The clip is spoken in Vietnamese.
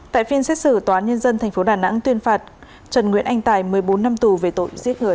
tại phiên xét xử tòa nhân dân tp đà nẵng tuyên phạt trần nguyễn anh tài một mươi bốn năm tù về tội giết người